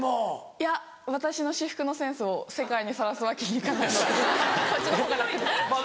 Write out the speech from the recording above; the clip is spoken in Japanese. いや私の私服のセンスを世界にさらすわけにいかないのでこっちのほうが楽で。